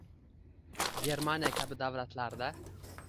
Germaniya kabi davlatlarda